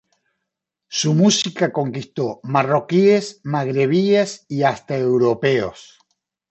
Su música conquistó marroquíes, magrebíes y hasta europeos.